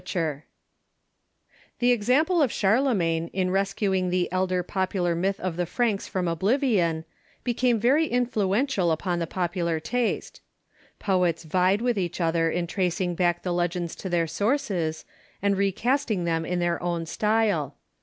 ] The example of Charlemagne in rescuing the elder popular myth of the Franks from oblivion became very influential upon the popular taste. Poets vied with each other Literature tracing back the legends to their sources, and re and Religion ^?.,.°,™,,' castmg them hi their own style.